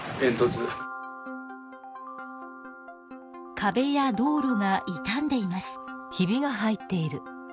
かべや道路がいたんでいます。